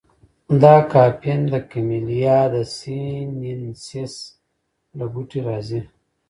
دا کافین د کمیلیا سینینسیس له بوټي راځي.